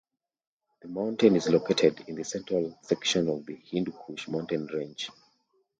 The mountain is located in the central section of the Hindu Kush mountain range.